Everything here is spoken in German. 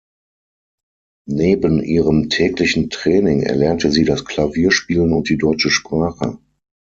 Neben ihrem täglichen Training erlernte sie das Klavierspielen und die deutsche Sprache.